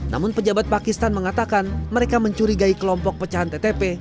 namun pejabat pakistan mengatakan mereka mencurigai kelompok pecahan ttp